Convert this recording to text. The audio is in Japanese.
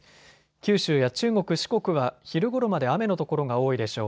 九州や中国、四国は昼ごろまで雨の所が多いでしょう。